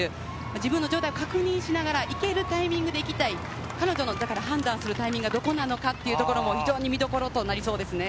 自分の状態を確認しながら、行けるタイミングでいきたい、彼女の判断するタイミングがどこなのかというのも非常に見どころとなりそうですね。